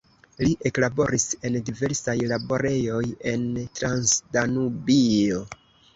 Li eklaboris en diversaj laborejoj en Transdanubio.